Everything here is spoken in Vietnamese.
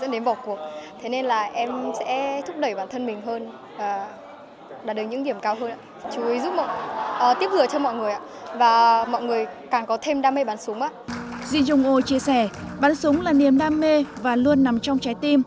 duy dung ô chia sẻ bắn súng là niềm đam mê và luôn nằm trong trái tim